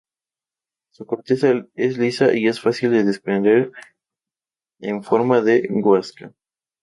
Su corteza es lisa y es fácil de desprender en forma de guasca.